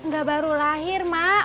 gak baru lahir mak